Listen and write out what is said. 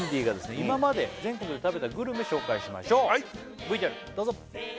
今まで全国で食べたグルメ紹介しましょうＶＴＲどうぞ！